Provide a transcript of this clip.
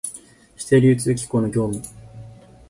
指定流通機構の業務